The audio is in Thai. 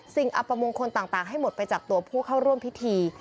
อัปมงคลต่างให้หมดไปจากตัวผู้เข้าร่วมพิธี